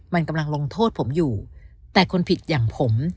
มันกำลังลงโทษผมอยู่แต่คนผิดอย่างผม